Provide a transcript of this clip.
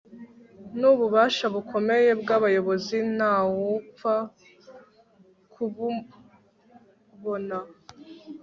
Nububasha bukomeye bwabayobozi ntawupfa kububona